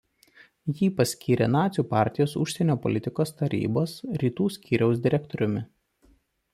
Jį paskyrė nacių partijos Užsienio politikos tarnybos Rytų skyriaus direktoriumi.